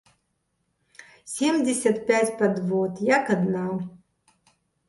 Семдзесят пяць падвод як адна.